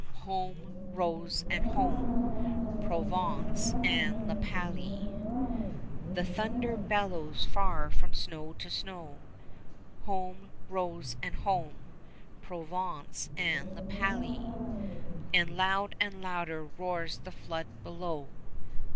Home, Rose, and home, Provence and La Palie. The thunder bellows far from snow to snow, 25 (Home, Rose, and home, Provence and La Palie,) And loud and louder roars the flood below.